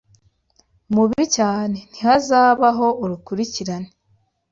mubi cyane ntihazabaho urukurikirane